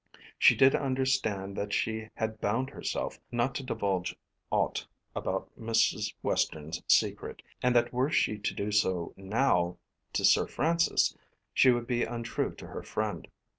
She did understand that she had bound herself not to divulge aught about Mrs. Western's secret, and that were she to do so now to Sir Francis she would be untrue to her friend.